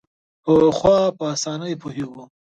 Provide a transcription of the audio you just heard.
پخوا په اسانۍ پوهېږو.